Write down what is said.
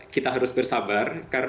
kita harus bersabar